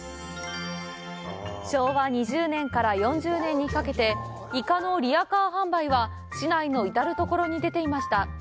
昭和２０年から４０年にかけてイカのリアカー販売は市内の至るところに出ていました。